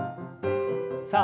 さあ